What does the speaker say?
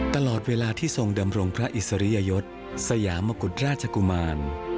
ตลอดเวลาที่ทรงดำรงพระอิสริยยศสยามกุฎราชกุมาร